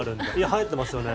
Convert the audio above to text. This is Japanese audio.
はやってますよね。